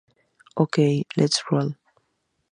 Okay, let's roll!